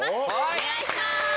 お願いします！